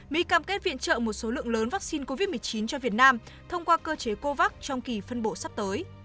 mỹ cam kết viện trợ một số lượng lớn vaccine covid một mươi chín cho việt nam thông qua cơ chế covax trong kỳ phân bộ sắp tới